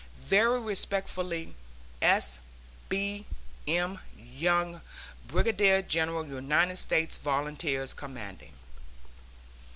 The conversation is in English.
..... Very respectfully, S. B. M. YOUNG, Brigadier General United States Volunteers, Commanding.